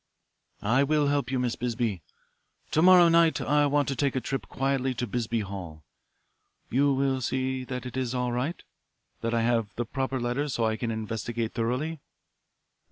"I will help you, Miss Bisbee. To morrow night I want to take a trip quietly to Bisbee Hall. You will see that it is all right, that I have the proper letters so I can investigate thoroughly."